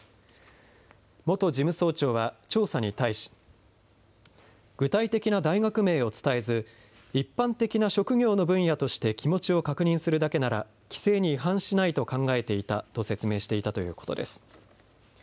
元事務総長は調査に対し具体的な大学名を伝えず一般的な職業の分野として気持ちを確認するだけなら規制に違反しないと考えていたと説明していたということです。